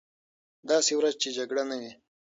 داسې ورځ چې جګړه نه وي.